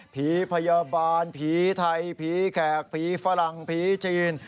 ผีพยาบาลผีไทยผีแขกผีฝรั่งผีจีน